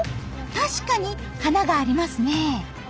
確かに花がありますねえ。